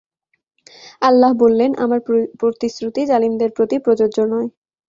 আল্লাহ বললেন, আমার প্রতিশ্রুতি জালিমদের প্রতি প্রযোজ্য নয়।